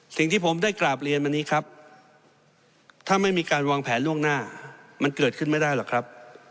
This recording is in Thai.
สิ่งที่ผมได้กราบเรียนมานี้ครับถ้าไม่มีการวางแผนล่วงหน้ามันเกิดขึ้นไม่ได้หรอกครับ